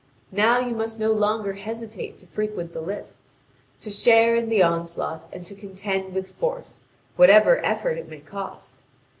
Now you must no longer hesitate to frequent the lists, to share in the onslaught, and to contend with force, whatever effort it may cost!